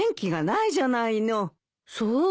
そう？